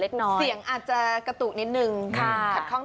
ต้องใช้ใจฟัง